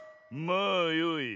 まあよい。